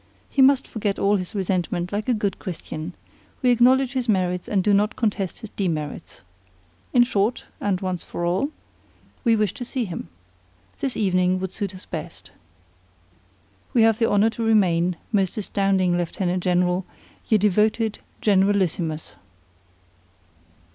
He must forget all his resentment, like a good Christian; we acknowledge his merits and do not contest his demerits. In short, and once for all, we wish to see him. This evening would suit us best. We have the honor to remain, most astounding Lieutenant General! your devoted GENERALISSIMUS.